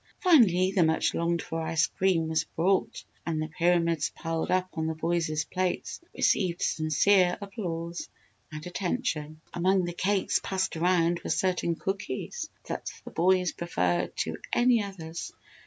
Finally, the much longed for ice cream was brought and the pyramids piled up on the boys' plates received sincere applause and attention. Among the cakes passed around were certain cookies that the boys preferred to any others.